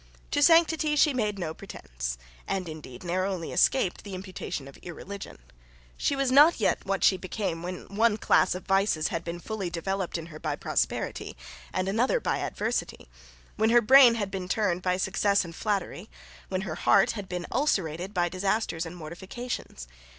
To sanctity she made no pretence, and, indeed, narrowly escaped the imputation of irreligion. She was not yet what she became when one class of vices had been fully developed in her by prosperity, and another by adversity, when her brain had been turned by success and flattery, when her heart had been ulcerated by disasters and mortifications.